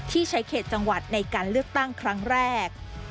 ใช้เขตจังหวัดในการเลือกตั้งครั้งแรก